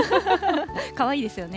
かわいいですよね。